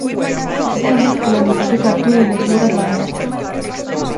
Sel hetkel oli ka tugev tuul ja suured lained.